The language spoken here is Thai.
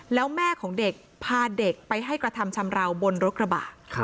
แล้วแม่ของเด็กพาเด็กไปให้กระทำชำราวบนรถกระบะ